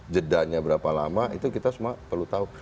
jedanya berapa lama itu kita semua perlu tahu